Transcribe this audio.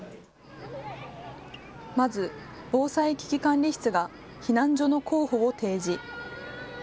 まず、防災危機管理室が避難所の候補を提示。